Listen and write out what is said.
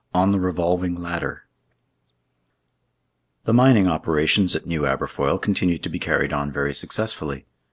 ON THE REVOLVING LADDER The mining operations at New Aberfoyle continued to be carried on very successfully.